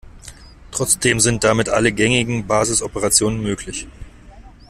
Trotzdem sind damit alle gängigen Basisoperationen möglich.